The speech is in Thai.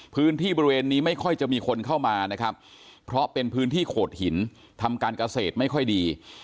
พื้นที่บริเวณนี้ไม่ค่อยจะมีคนเข้ามานะครับเพราะเป็นพื้นที่โขดหินทำการเกษตรไม่ค่อยดี